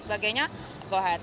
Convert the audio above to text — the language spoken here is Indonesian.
sebagainya go ahead